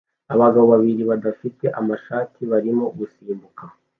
Abagabo babiri badafite amashati barimo gusimbuka